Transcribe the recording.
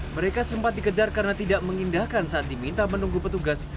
mereka sempat dikejar karena tidak mengindahkan saat diminta menunggu petugas